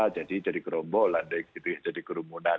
jadi jadi kerombolan jadi kerumunan